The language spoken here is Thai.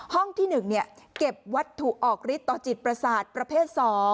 ห้องที่๑เก็บวัตถุออกฤทธิต่อจิตประสาทประเภท๒